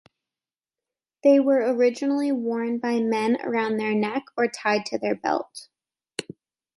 They were originally worn by men around their neck or tied to their belt.